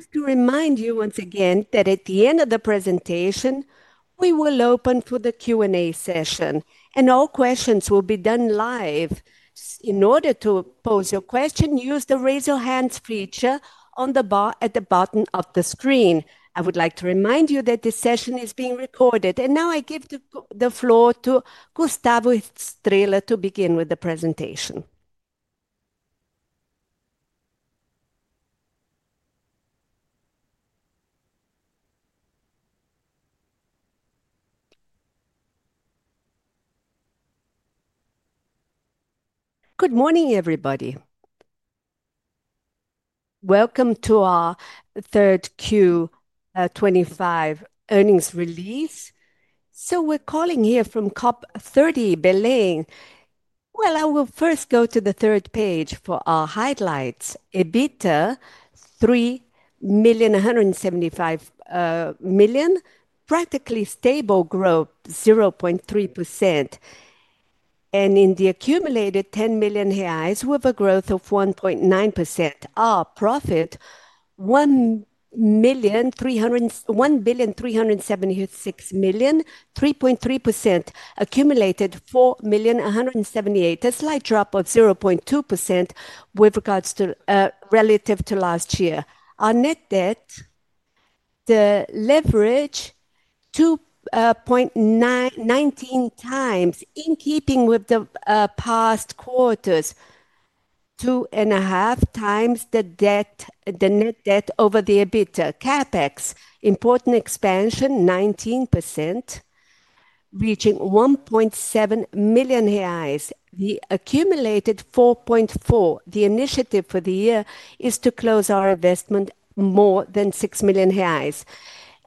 Just to remind you once again that at the end of the presentation, we will open for the Q&A session, and all questions will be done live. In order to pose your question, use the raise your hands feature at the bottom of the screen. I would like to remind you that this session is being recorded, and now I give the floor to Gustavo Estrella to begin with the presentation. Good morning, everybody. Welcome to our 3Q 2025 Earnings Release. We are calling here from COP30, Belém. I will first go to the third page for our highlights: EBITDA 3,175 million, practically stable growth 0.3%, and in the accumulated 10 million reais, we have a growth of 1.9%. Our profit 1,376 million, 3.3%, accumulated 4,178 million, a slight drop of 0.2% with regards to relative to last year. Our net debt, the leverage, 2.19 times in keeping with the past quarters, two and a half times the net debt over the EBITDA. CapEx, important expansion, 19%, reaching 1.7 million reais. The BRL 4.4 million. The initiative for the year is to close our investment more than 6 million reais.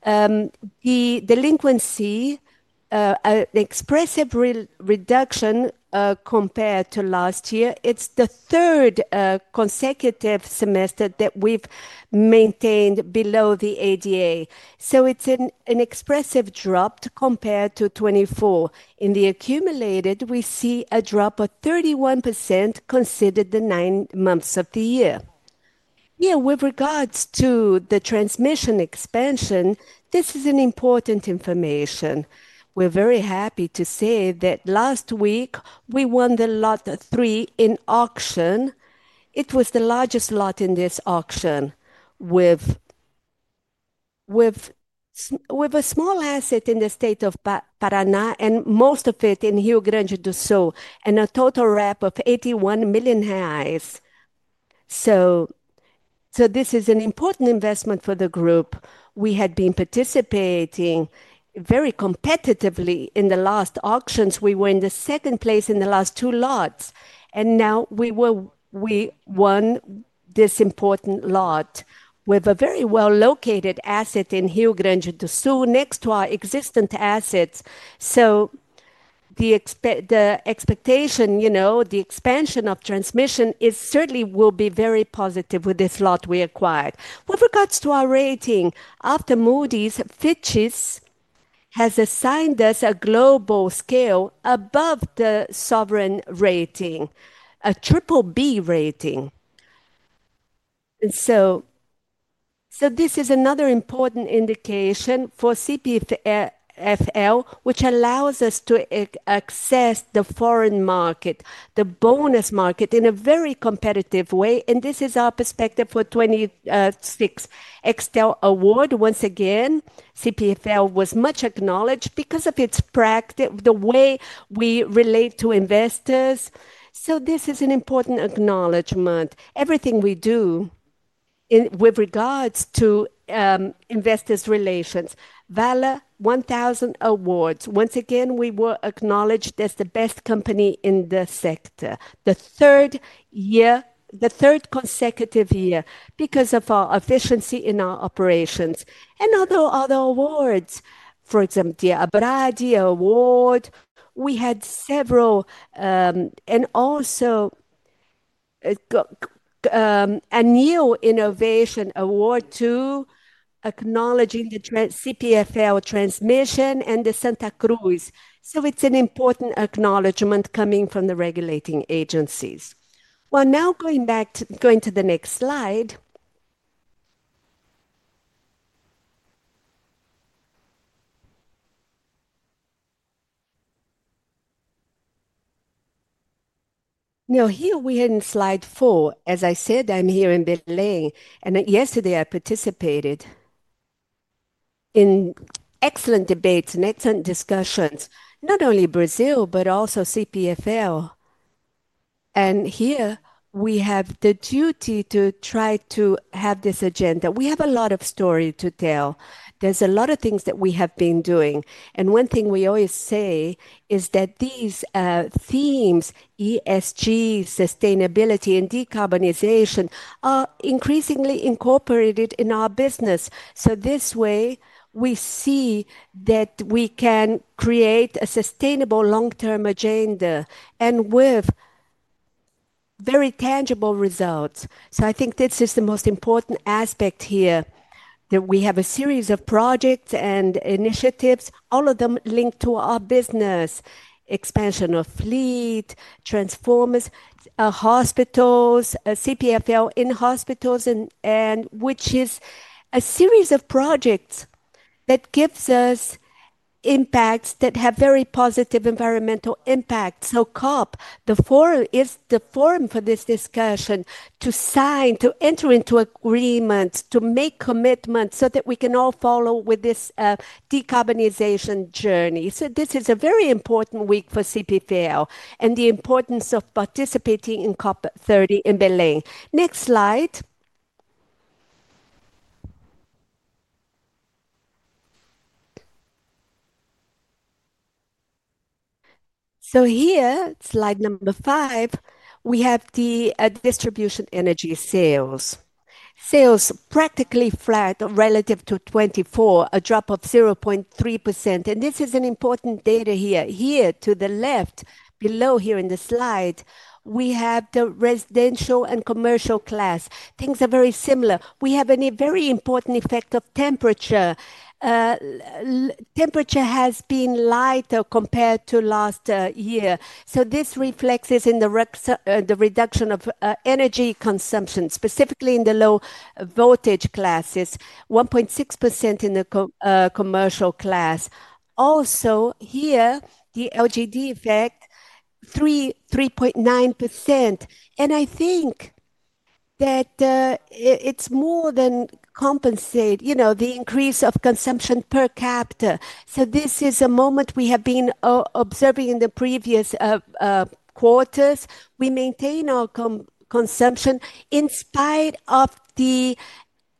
The delinquency, an expressive reduction compared to last year. It's the third consecutive semester that we've maintained below the ADA. So it's an expressive drop compared to 2024. In the accumulated, we see a drop of 31% considered the nine months of the year. Yeah, with regards to the transmission expansion, this is important information. We're very happy to say that last week we won the lot three in auction. It was the largest lot in this auction with a small asset in the state of Paraná and most of it in Rio Grande do Sul, and a total wrap of 81 million reais. This is an important investment for the group. We had been participating very competitively in the last auctions. We were in second place in the last two lots, and now we won this important lot with a very well-located asset in Rio Grande do Sul, next to our existent assets. The expectation, you know, the expansion of transmission certainly will be very positive with this lot we acquired. With regards to our rating, after Moody's, Fitch has assigned us a global scale above the sovereign rating, a triple B rating. This is another important indication for CPFL which allows us to access the foreign market, the bonus market in a very competitive way. This is our perspective for the 26th Extel Award. Once again, CPFL was much acknowledged because of its practice, the way we relate to investors. This is an important acknowledgment. Everything we do with regards to investors' relations, Valor 1,000 awards. Once again, we were acknowledged as the best company in the sector, the third consecutive year because of our efficiency in our operations. Other awards, for example, the Abradee Award, we had several, and also a new innovation award too, acknowledging the CPFL transmission and the Santa Cruz. It is an important acknowledgment coming from the regulating agencies. Now going back to the next slide. Here we are in slide four. As I said, I'm here in Belém, and yesterday I participated in excellent debates and excellent discussions, not only Brazil, but also CPFL. Here we have the duty to try to have this agenda. We have a lot of story to tell. There's a lot of things that we have been doing. One thing we always say is that these themes, ESG, sustainability, and decarbonization are increasingly incorporated in our business. This way we see that we can create a sustainable long-term agenda and with very tangible results. I think this is the most important aspect here that we have a series of projects and initiatives, all of them linked to our business, expansion of fleet, transformers, hospitals, CPFL in hospitals, which is a series of projects that gives us impacts that have very positive environmental impacts. COP, the forum is the forum for this discussion, to sign, to enter into agreements, to make commitments so that we can all follow with this decarbonization journey. This is a very important week for CPFL and the importance of participating in COP30 in Belém. Next slide. Here, slide number five, we have the distribution energy sales. Sales practically flat relative to 2024, a drop of 0.3%. This is an important data here. Here to the left, below here in the slide, we have the residential and commercial class. Things are very similar. We have a very important effect of temperature. Temperature has been lighter compared to last year. This reflects in the reduction of energy consumption, specifically in the low voltage classes, 1.6% in the commercial class. Also here, the LGD effect, 3.9%. I think that it's more than compensate, you know, the increase of consumption per capita. This is a moment we have been observing in the previous quarters. We maintain our consumption in spite of the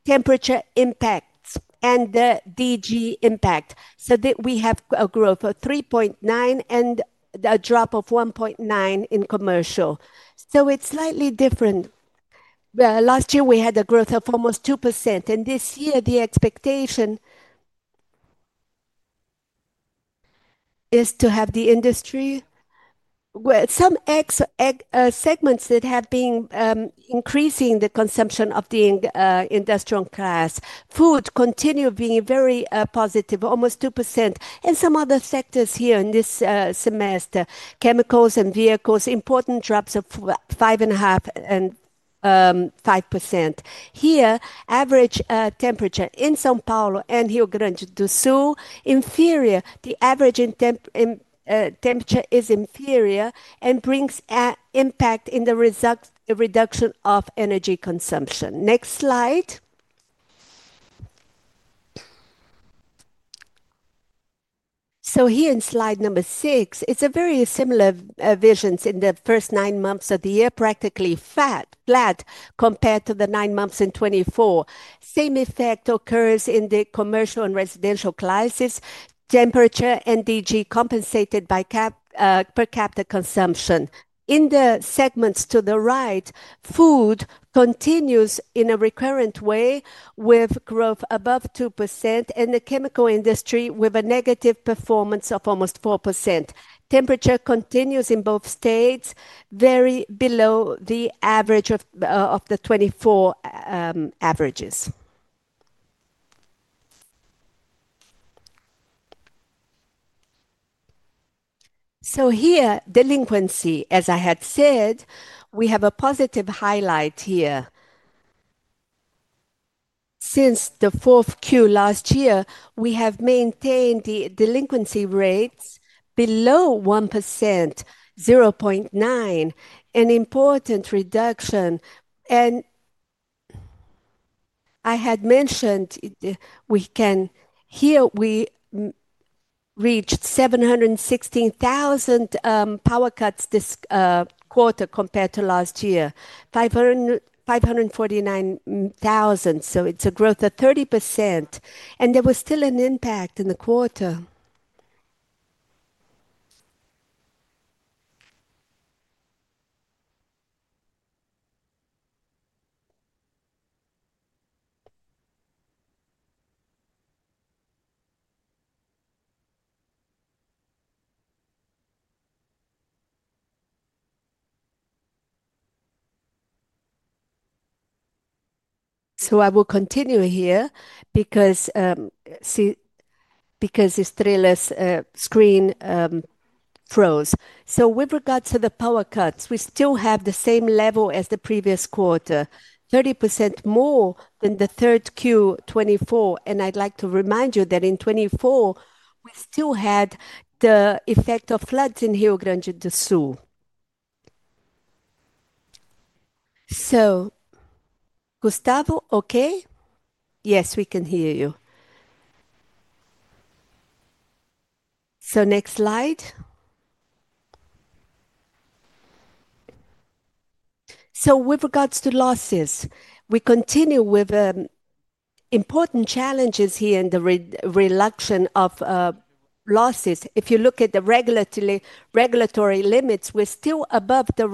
temperature impacts and the DG impact. We have a growth of 3.9% and a drop of 1.9% in commercial. It's slightly different. Last year we had a growth of almost 2%, and this year the expectation is to have the industry, some segments that have been increasing the consumption of the industrial class. Food continues being very positive, almost 2%. Some other sectors here in this semester, chemicals and vehicles, important drops of 5.5%. Here, average temperature in São Paulo and Rio Grande do Sul, inferior. The average temperature is inferior and brings impact in the reduction of energy consumption. Next slide. Here in slide number six, it's a very similar vision in the first nine months of the year, practically flat compared to the nine months in 2024. Same effect occurs in the commercial and residential classes, temperature and DG compensated by per capita consumption. In the segments to the right, food continues in a recurrent way with growth above 2%, and the chemical industry with a negative performance of almost 4%. Temperature continues in both states very below the average of the 2024 averages. Here, delinquency, as I had said, we have a positive highlight here. Since the fourth quarter last year, we have maintained the delinquency rates below 1%, 0.9%, an important reduction. I had mentioned we can here we reached 716,000 power cuts this quarter compared to last year, 549,000. It's a growth of 30%. There was still an impact in the quarter. I will continue here because Estrella's screen froze. With regards to the power cuts, we still have the same level as the previous quarter, 30% more than the 3Q 2024. I would like to remind you that in 2024, we still had the effect of floods in Rio Grande do Sul. Gustavo, okay? Yes, we can hear you. Next slide. With regards to losses, we continue with important challenges here in the reduction of losses. If you look at the regulatory limits, we are still above the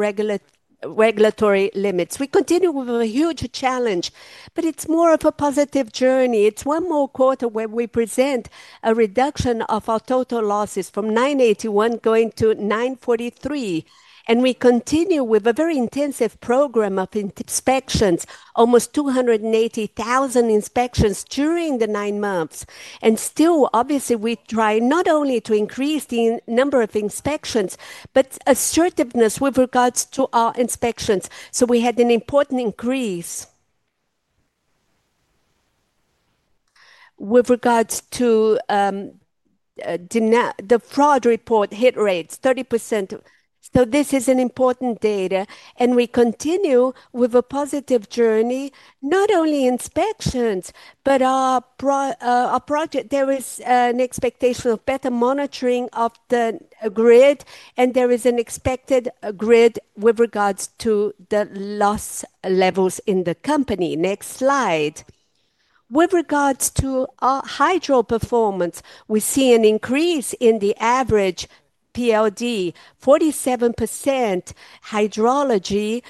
regulatory limits. We continue with a huge challenge, but it is more of a positive journey. It is one more quarter where we present a reduction of our total losses from 981 going to 943. We continue with a very intensive program of inspections, almost 280,000 inspections during the nine months. Obviously, we try not only to increase the number of inspections, but assertiveness with regards to our inspections. We had an important increase with regards to the fraud report hit rates, 30%. This is an important data. We continue with a positive journey, not only inspections, but our project. There is an expectation of better monitoring of the grid, and there is an expected grid with regards to the loss levels in the company. Next slide. With regards to our hydro performance, we see an increase in the average PLD, 47%. Hydrology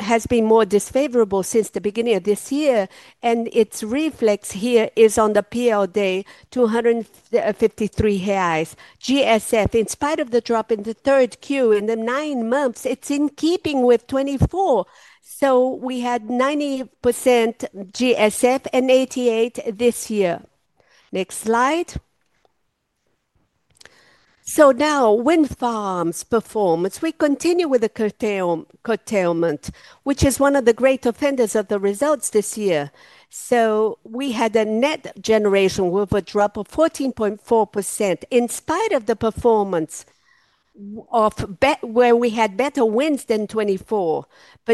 has been more disfavorable since the beginning of this year, and its reflex here is on the PLD, 253 reais. GSF, in spite of the drop in the 3Q in the nine months, it is in keeping with 2024. We had 90% GSF and 88% this year. Next slide. Now wind farms performance. We continue with the curtailment, which is one of the great offenders of the results this year. We had a net generation with a drop of 14.4% in spite of the performance where we had better winds than 2024.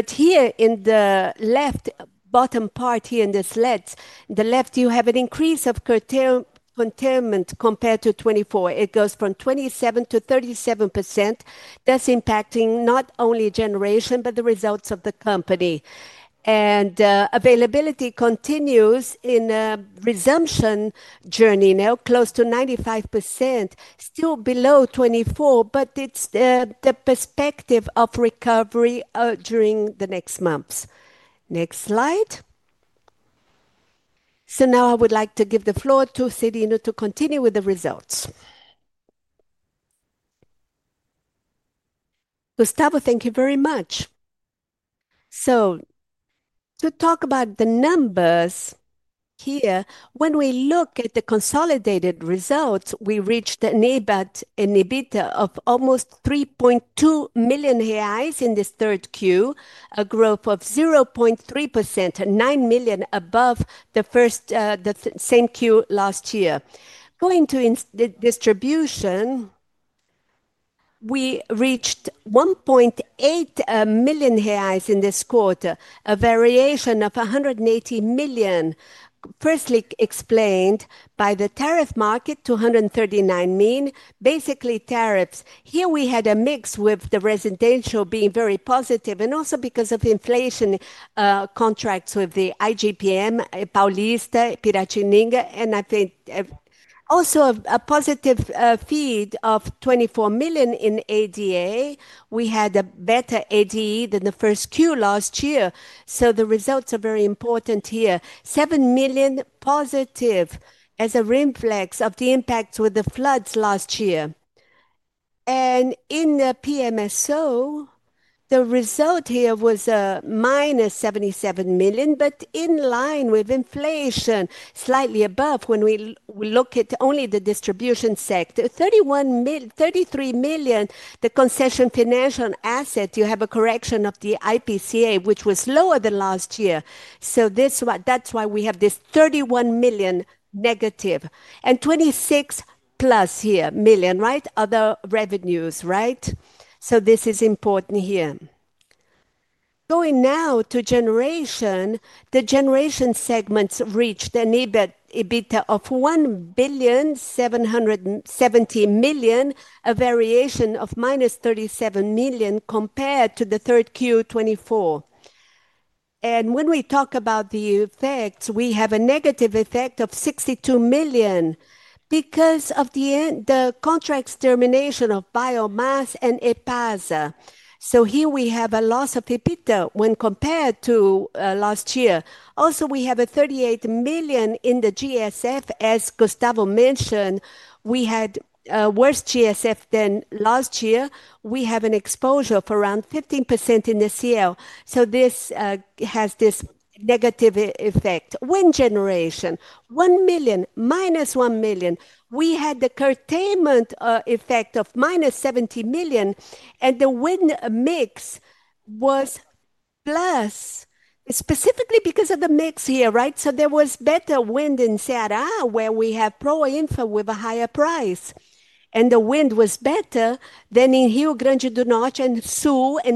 Here in the left bottom part in the slides, the left, you have an increase of curtailment compared to 2024. It goes from 27%-37%. that is impacting not only generation, but the results of the company. Availability continues in a resumption journey now, close to 95%, still below 2024, but it is the perspective of recovery during the next months. Next slide. I would like to give the floor to Cyrino to continue with the results. Gustavo, thank you very much. To talk about the numbers here, when we look at the consolidated results, we reached an EBITDA of almost 3.2 million reais in this 3Q, a growth of 0.3%, 9 million above the same Q last year. Going to distribution, we reached 1.8 million reais in this quarter, a variation of 180 million, firstly explained by the tariff market, 239 million, basically tariffs. Here we had a mix with the residential being very positive and also because of inflation contracts with the IGP-M, Paulista, Piratininga, and I think also a positive feed of 24 million in ADA. We had a better ADA than the 1Q last year. The results are very important here. 7 million positive as a reflex of the impacts with the floods last year. In the PMSO, the result here was -77 million, but in line with inflation, slightly above when we look at only the distribution sector, 33 million. The concession financial asset, you have a correction of the IPCA, which was lower than last year. That is why we have this 31 million negative and 26 million plus here, right? Other revenues, right? This is important here. Going now to generation, the generation segments reached an EBITDA of 1,770 million, a variation -37 million compared to the 3Q 2024. When we talk about the effects, we have a negative effect of 62 million because of the contract termination of biomass and EPASA. Here we have a loss of EBITDA when compared to last year. Also, we have 38 million in the GSF, as Gustavo mentioned. We had worse GSF than last year. We have an exposure of around 15% in this year. This has this negative effect. Wind generation, 1 million, -1 million. We had the curtailment effect -70 million, and the wind mix was plus, specifically because of the mix here, right? There was better wind in Ceará, where we have Proinfa with a higher price, and the wind was better than in Rio Grande do Norte and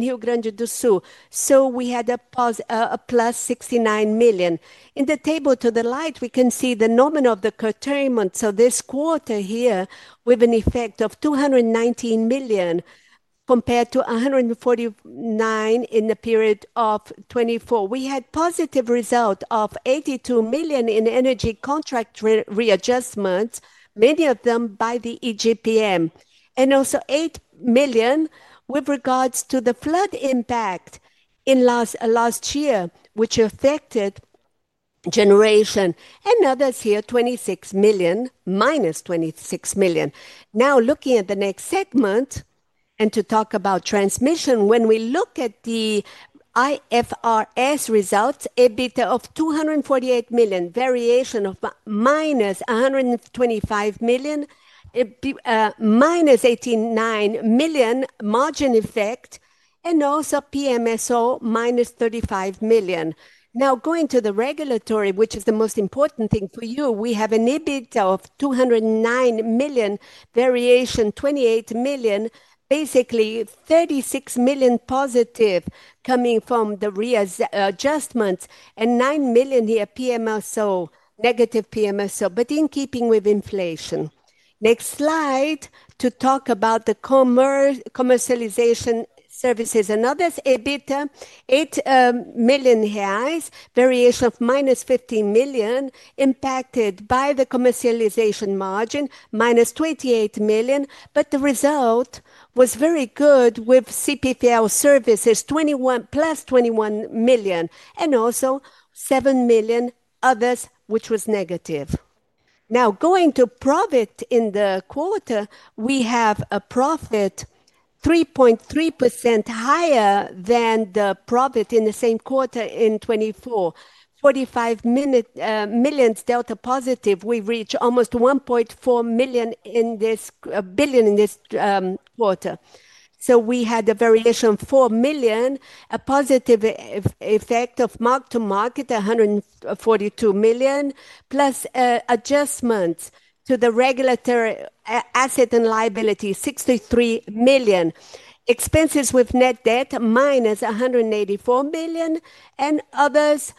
Rio Grande do Sul. We had a +69 million. In the table to the right, we can see the nominal of the curtailment. This quarter here with an effect of 219 million compared to 149 million in the period of 2024. We had a positive result of 82 million in energy contract readjustments, many of them by the IGP-M, and also 8 million with regards to the flood impact in last year, which affected generation. Others here, 26 -26 million. Now looking at the next segment and to talk about transmission, when we look at the IFRS results, EBITDA of 248 million, -125 million, -89 million margin effect, and also -35 million. Now going to the regulatory, which is the most important thing for you, we have an EBITDA of 209 million, variation 28 million, basically 36 million positive coming from the readjustments and 9 million here PMSO, negative PMSO, but in keeping with inflation. Next slide to talk about the commercialization services and others. EBITDA, 8 million reais, variation -15 million, impacted by the commercialization -28 million, but the result was very good with CPFL +21 million, and also 7 million others, which was negative. Now going to profit in the quarter, we have a profit 3.3% higher than the profit in the same quarter in 2024. 45 million delta positive, we reached almost 1.4 billion in this quarter. We had a variation of 4 million, a positive effect of mark to market, 142 million, plus adjustments to the regulatory asset and liability, 63 million. Expenses with net -184 million and others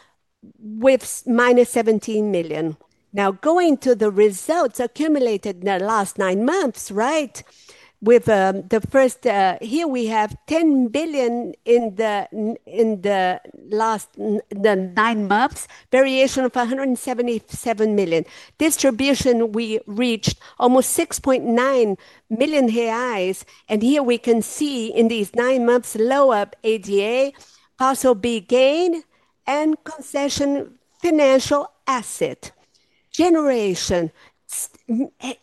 -17 million. Now going to the results accumulated in the last nine months, right? With the first, here we have 10 billion in the last nine months, variation of 177 million. Distribution we reached almost 6.9 million reais, and here we can see in these nine months low up ADA, CASOB gain and concession financial asset. Generation,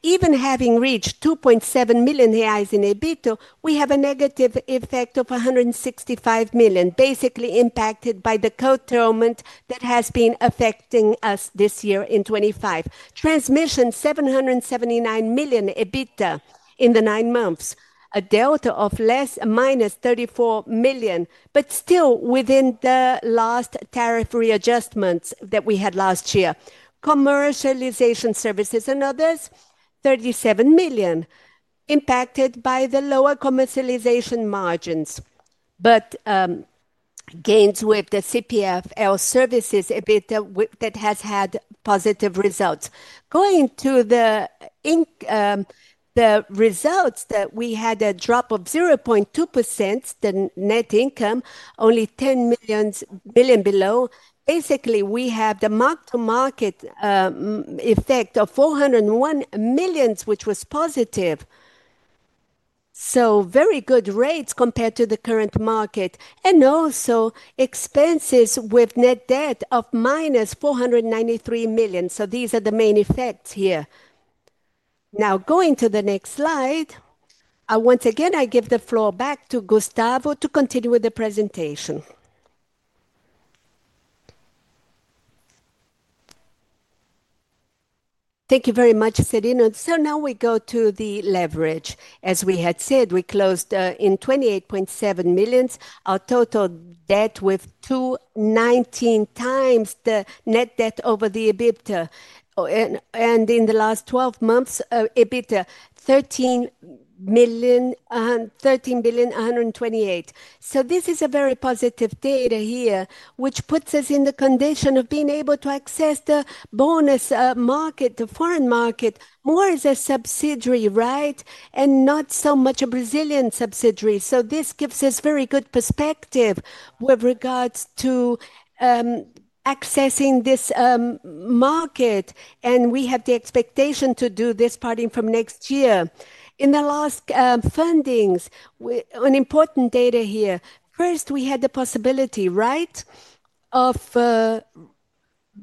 even having reached 2.7 million reais in EBITDA, we have a negative effect of 165 million, basically impacted by the curtailment that has been affecting us this year in 2025. Transmission, 779 million EBITDA in the nine months, a delta of -34 million, but still within the last tariff readjustments that we had last year. Commercialization services and others, 37 million, impacted by the lower commercialization margins, but gains with the CPFL services EBITDA that has had positive results. Going to the results that we had a drop of 0.2%, the net income, only 10 million below. Basically, we have the mark to market effect of 401 million, which was positive. Very good rates compared to the current market and also expenses with net debt of minus 493 million. These are the main effects here. Now going to the next slide, I once again give the floor back to Gustavo to continue with the presentation. Thank you very much, Cyrino. Now we go to the leverage. As we had said, we closed in 28.7 million, our total debt with 2.19 times the net debt over the EBITDA. In the last 12 months, EBITDA 13,128 million. This is a very positive data here, which puts us in the condition of being able to access the bonus market, the foreign market, more as a subsidiary, right? Not so much a Brazilian subsidiary. This gives us very good perspective with regards to accessing this market. We have the expectation to do this starting from next year. In the last fundings, an important data here. First, we had the possibility, right, of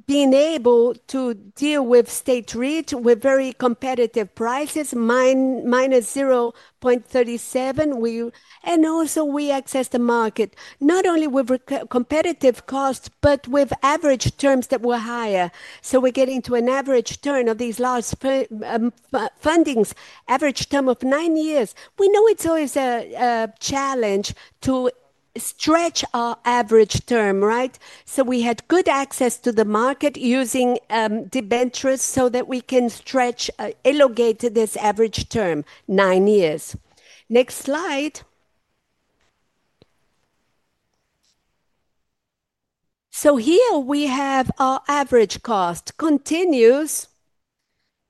being able to deal with State Grid with very competitive prices,-0.37%. Also, we access the market not only with competitive costs, but with average terms that were higher. We are getting to an average term of these last fundings, average term of nine years. We know it is always a challenge to stretch our average term, right? We had good access to the market using debentures so that we can stretch, elongate this average term, nine years. Next slide. Here we have our average cost continues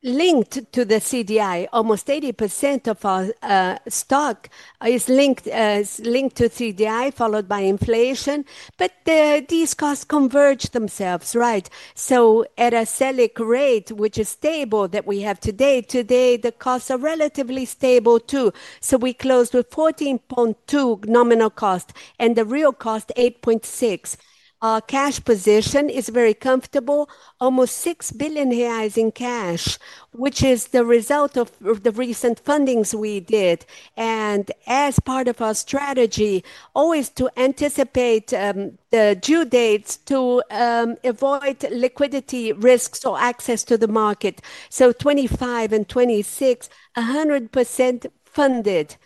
linked to the CDI. Almost 80% of our stock is linked to CDI, followed by inflation, but these costs converge themselves, right? At a Selic rate, which is stable that we have today, today the costs are relatively stable too. We closed with 14.2% nominal cost and the real cost 8.6%. Our cash position is very comfortable, almost 6 billion reais in cash, which is the result of the recent fundings we did. As part of our strategy, always to anticipate the due dates to avoid liquidity risks or access to the market. 2025 and 2026, 100% funded.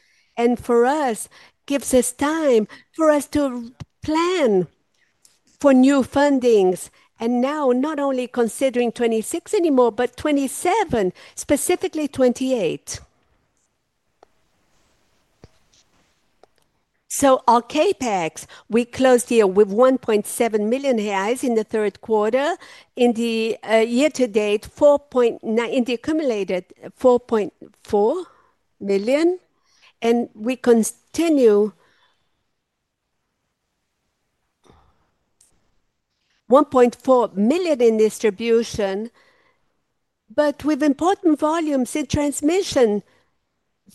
For us, gives us time for us to plan for new fundings. Now not 2026, but 2027, specifically 2028. Our CapEx, we closed here with 1.7 million reais in the third quarter. In the year to date, 4.9, in the accumulated 4.4 million. We continue 1.4 million in distribution, but with important volumes in transmission,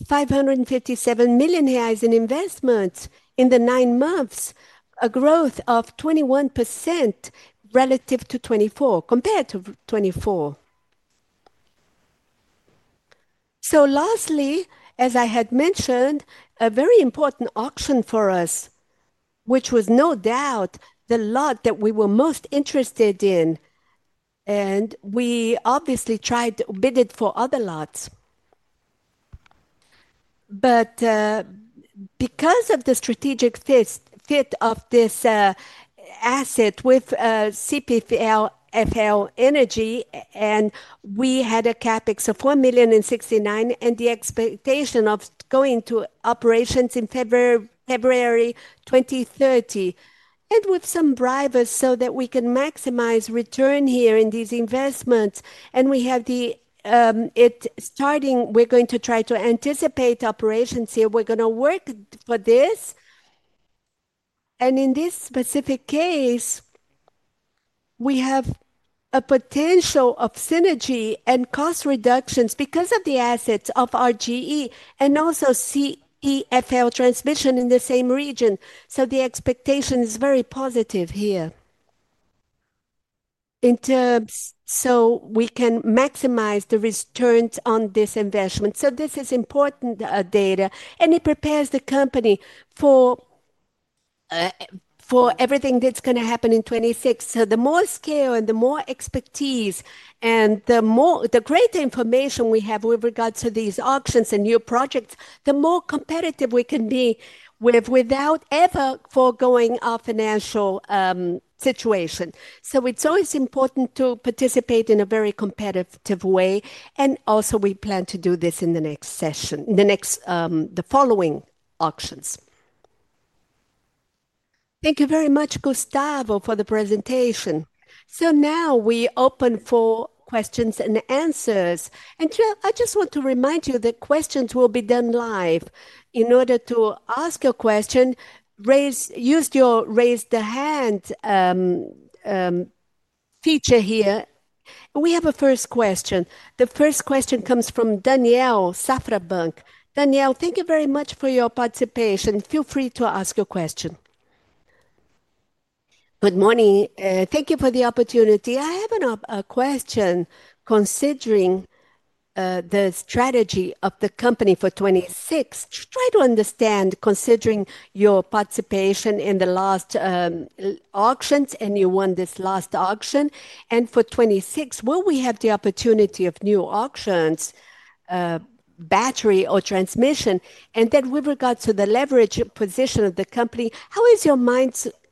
557 million reais in investments in the nine months, a growth of 21% relative to 2024, compared to 2024. Lastly, as I had mentioned, a very important auction for us, which was no doubt the lot that we were most interested in. We obviously tried to bid for other lots, but because of the strategic fit of this asset with CPFL Energia, and we had a CapEx of 4,069 million, and the expectation of going to operations in February 2030, and with some drivers so that we can maximize return here in these investments. We have it starting, we're going to try to anticipate operations here. We're going to work for this. In this specific case, we have a potential of synergy and cost reductions because of the assets of our RGE and also CPFL transmission in the same region. The expectation is very positive here. We can maximize the returns on this investment. This is important data. It prepares the company for everything that is going to happen in 2026. The more scale and the more expertise and the greater information we have with regards to these auctions and new projects, the more competitive we can be without ever foregoing our financial situation. It is always important to participate in a very competitive way. We plan to do this in the next session, the next, the following auctions. Thank you very much, Gustavo, for the presentation. Now we open for questions and answers. I just want to remind you that questions will be done live. In order to ask a question, use your raise the hand feature here. We have a first question. The first question comes from Danielle, Safra Bank. Danielle, thank you very much for your participation. Feel free to ask your question. Good morning. Thank you for the opportunity. I have a question considering the strategy of the company for 2026. Try to understand considering your participation in the last auctions and you won this last auction. For 2026, will we have the opportunity of new auctions, battery or transmission? With regards to the leverage position of the company, how is your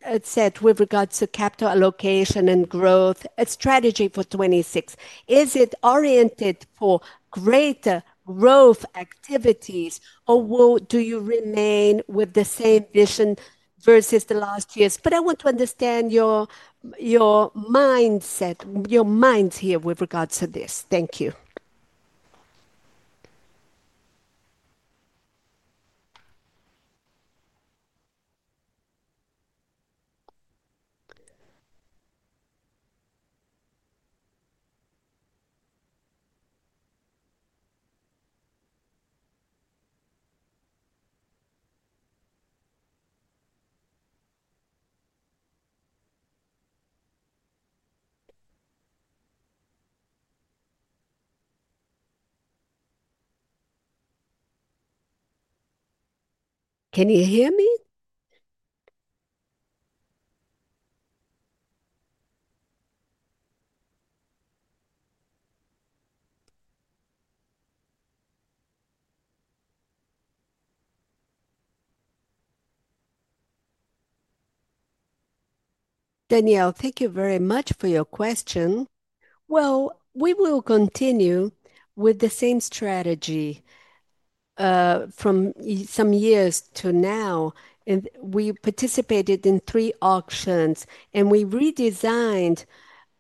mindset with regards to capital allocation and growth strategy for 2026? Is it oriented for greater growth activities or do you remain with the same vision versus the last years? I want to understand your mindset, your minds here with regards to this. Thank you. Can you hear me? Danielle, thank you very much for your question. We will continue with the same strategy from some years to now. We participated in three auctions and we redesigned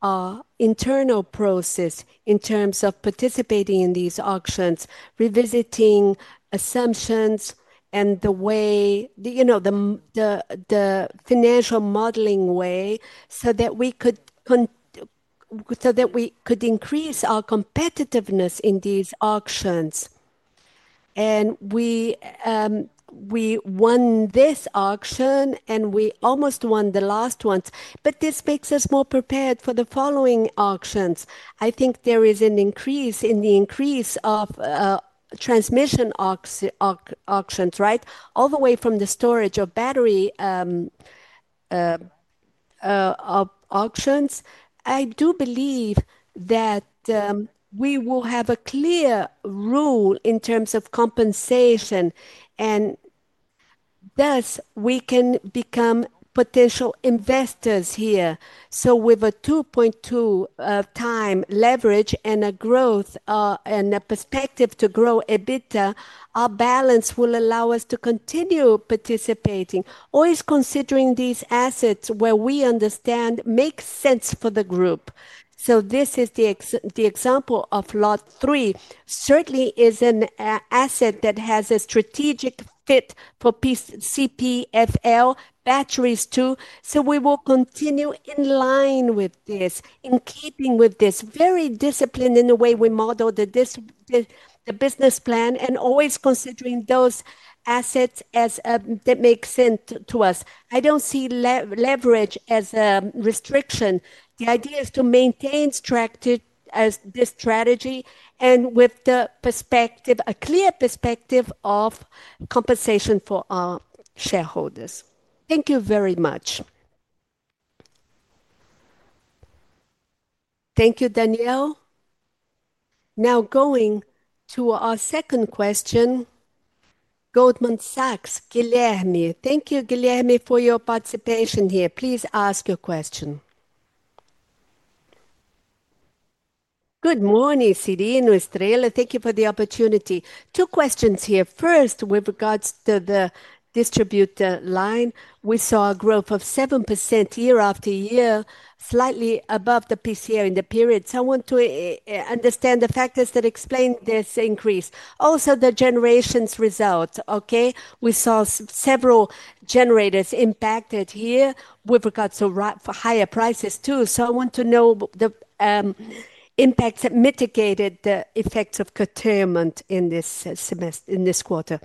our internal process in terms of participating in these auctions, revisiting assumptions and the way, you know, the financial modeling way so that we could increase our competitiveness in these auctions. We won this auction and we almost won the last ones. This makes us more prepared for the following auctions. I think there is an increase in the increase of transmission auctions, right? All the way from the storage of battery auctions. I do believe that we will have a clear rule in terms of compensation and thus we can become potential investors here. With a 2.2 time leverage and a growth and a perspective to grow EBITDA, our balance will allow us to continue participating, always considering these assets where we understand make sense for the group. This is the example of lot three. Certainly is an asset that has a strategic fit for CPFL batteries too. So we will continue in line with this in keeping with this very disciplined in the way we model the business plan and always considering those assets as that make sense to us. I do not see leverage as a restriction. The idea is to maintain this strategy and with the perspective, a clear perspective of compensation for our shareholders. Thank you very much. Thank you, Danielle. Now going to our second question, Goldman Sachs, Guilherme. Thank you, Guilherme, for your participation here. Please ask your question. Good morning, Cyrino Estrella. Thank you for the opportunity. Two questions here. First, with regards to the distributor line, we saw a growth of 7% year after year, slightly above the IPCA in the period. So I want to understand the factors that explain this increase. Also, the generations result, okay? We saw several generators impacted here with regards to higher prices too. I want to know the impacts that mitigated the effects of curtailment in this quarter.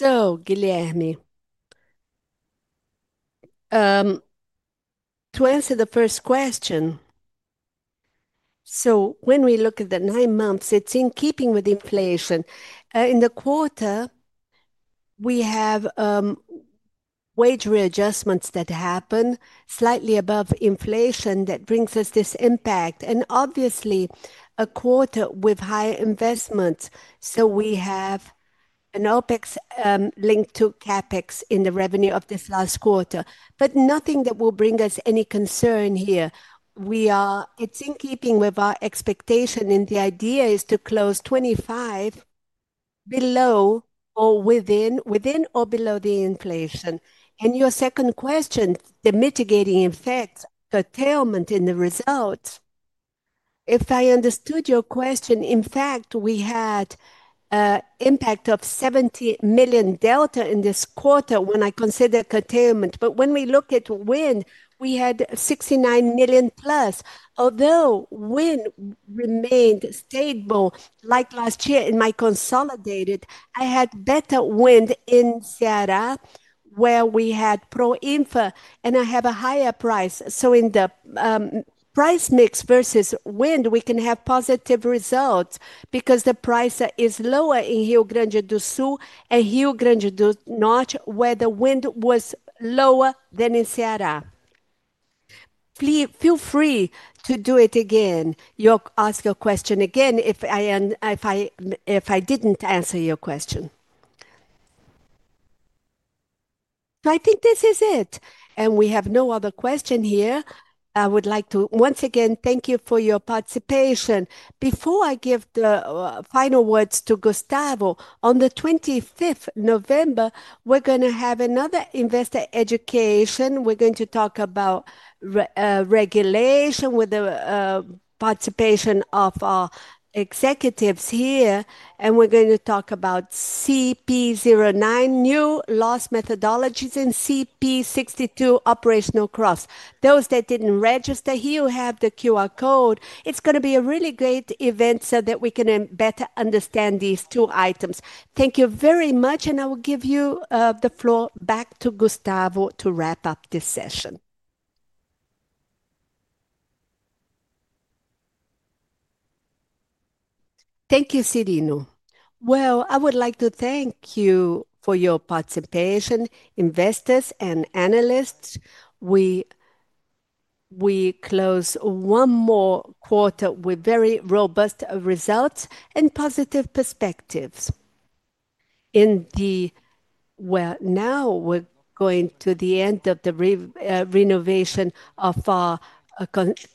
Guilherme, to answer the first question, when we look at the nine months, it is in keeping with inflation. In the quarter, we have wage readjustments that happen slightly above inflation that brings us this impact. Obviously, a quarter with higher investments. We have an OpEx linked to CapEx in the revenue of this last quarter, but nothing that will bring us any concern here. It is in keeping with our expectation and the idea is to close 2025 within or below the inflation. Your second question, the mitigating effects, curtailment in the results. If I understood your question, in fact, we had an impact of 70 million delta in this quarter when I consider curtailment. When we look at wind, we had 69 million plus. Although wind remained stable like last year in my consolidated, I had better wind in Ceará where we had PROINFA and I have a higher price. In the price mix versus wind, we can have positive results because the price is lower in Rio Grande do Sul and Rio Grande do Norte where the wind was lower than in Ceará. Feel free to do it again. You'll ask your question again if I did not answer your question. I think this is it. We have no other question here. I would like to once again thank you for your participation. Before I give the final words to Gustavo, on the 25th of November, we are going to have another investor education. We are going to talk about regulation with the participation of our executives here. We are going to talk about CP09, new loss methodologies, and CP62 operational cross. Those that did not register here, you have the QR code. It is going to be a really great event so that we can better understand these two items. Thank you very much. I will give the floor back to Gustavo to wrap up this session. Thank you, Cyrino. I would like to thank you for your participation, investors and analysts. We close one more quarter with very robust results and positive perspectives. Now we are going to the end of the renovation of our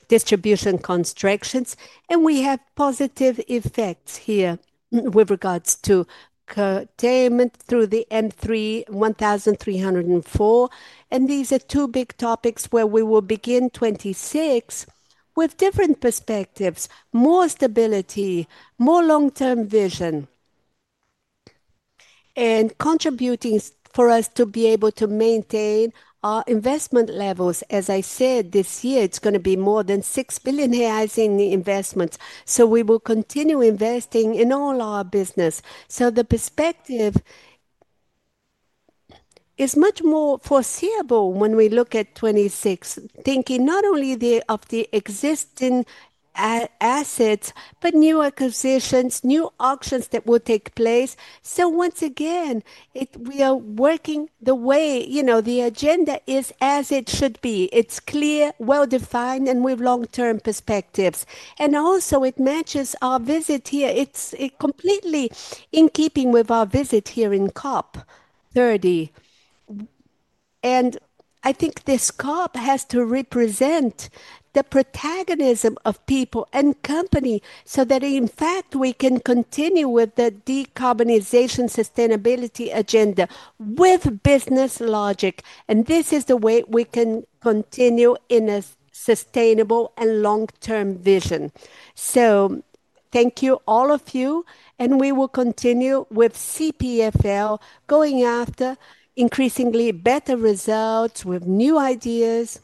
distribution constructions. We have positive effects here with regards to curtailment through the M3 1,304. These are two big topics where we will begin 2026 with different perspectives, more stability, more long-term vision, and contributing for us to be able to maintain our investment levels. As I said, this year, it is going to be more than 6 billion reais in investments. We will continue investing in all our business. The perspective is much more foreseeable when we look at 2026, thinking not only of the existing assets, but new acquisitions, new auctions that will take place. Once again, we are working the way, you know, the agenda is as it should be. It is clear, well-defined, and with long-term perspectives. It also matches our visit here. It is completely in keeping with our visit here in COP30. I think this COP has to represent the protagonism of people and company so that, in fact, we can continue with the decarbonization sustainability agenda with business logic. This is the way we can continue in a sustainable and long-term vision. Thank you, all of you. We will continue with CPFL going after increasingly better results with new ideas,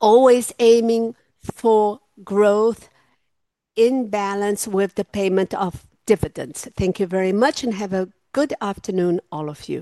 always aiming for growth in balance with the payment of dividends. Thank you very much and have a good afternoon, all of you.